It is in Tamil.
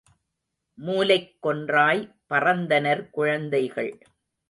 மூலைக் கொன்றாய் பறந்தனர் குழந்தைகள்.